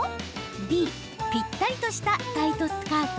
Ｂ・ぴったりとしたタイトスカート？